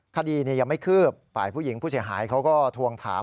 คดียังไม่คืบฝ่ายผู้หญิงผู้เสียหายเขาก็ทวงถาม